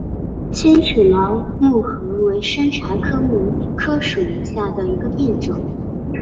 尖齿毛木荷为山茶科木荷属下的一个变种。